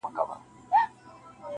د وصال شېبه-